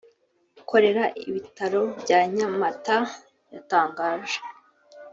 ukorera ibitaro bya Nyamata yatangaje